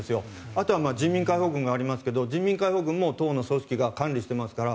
あとは人民解放軍がありますが人民解放軍も党の組織が管理していますから。